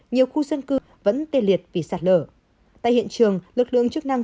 nhiều khu dân cư vẫn tê liệt vì sạt lở tại hiện trường lực lượng chức năng